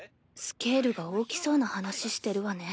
スケールが大きそうな話してるわね。